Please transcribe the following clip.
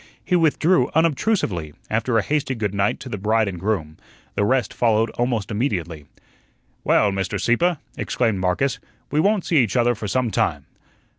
He withdrew unobtrusively, after a hasty good night to the bride and groom. The rest followed almost immediately. "Well, Mr. Sieppe," exclaimed Marcus, "we won't see each other for some time."